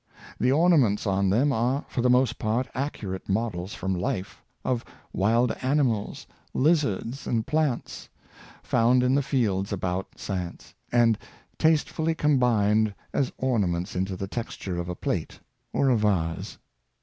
The ornaments on them are, for the most part, accurate models from life, of wild animals, Hzards, and plants, found in the fields about Saintes, and tastefully combined as or naments into the texture of a plate or a vase.